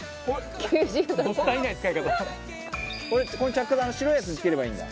着火剤白いやつにつければいいんだ。